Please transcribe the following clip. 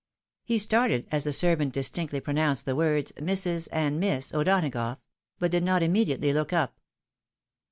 He started as the servant distinctly pronounced the words " Mrs. and Miss O'Donagough," but did not immediately look up.